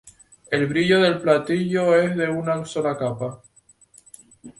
El brillo del platillo es de una sola capa.